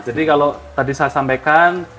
jadi kalau tadi saya sampaikan